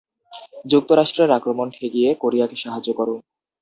যুক্তরাষ্ট্রের আক্রমণ ঠেকিয়ে কোরিয়াকে সাহায্য করো!